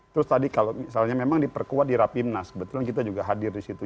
terus tadi kalau misalnya memang diperkuat di rapimnas kebetulan kita juga hadir di situ